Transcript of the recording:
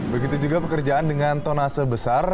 begitu juga pekerjaan dengan tonase besar